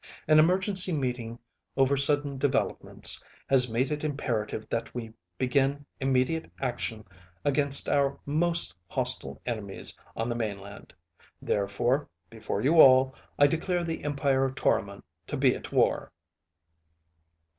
An emergency meeting over sudden developments has made it imperative that we begin immediate action against our most hostile enemies on the mainland. Therefore, before you all, I declare the Empire of Toromon to be at war."